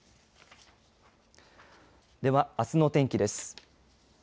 では、あすの天気です。